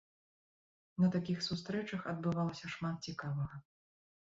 На такіх сустрэчах адбывалася шмат цікавага.